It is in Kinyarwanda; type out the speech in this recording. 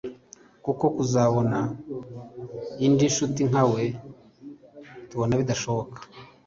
kuko kuzabona indi nshuti nka we, tubona bidashoboka